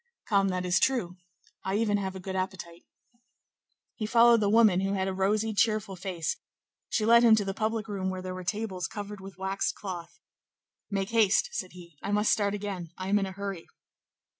"Come, that is true; I even have a good appetite." He followed the woman, who had a rosy, cheerful face; she led him to the public room where there were tables covered with waxed cloth. "Make haste!" said he; "I must start again; I am in a hurry."